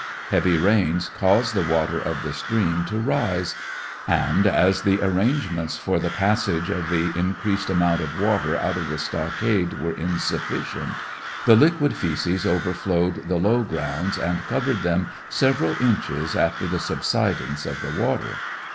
Heavy rains caused the water of the stream to rise and as the arrangements for REBEL TESTIMONY, 175 the passage of the increased amount of water out of the stockade were insufficient, the liquid feces overflowed the low grounds and covered them several inches after the subsidence of the waters.